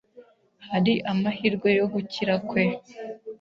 Hari amahirwe yo gukira kwe?